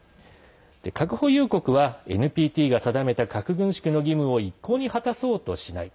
核保有国はＮＰＴが定めた核軍縮の義務を一向に果たそうとしない。